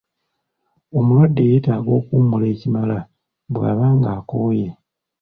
Omulwadde yeetaaga okuwummula ekimala bw’aba ng’akooye.